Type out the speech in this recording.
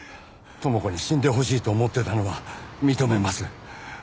知子に死んでほしいと思ってたのは認めます。